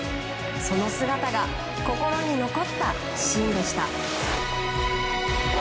その姿が心に残ったシーンでした。